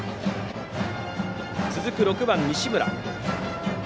続く６番、西村。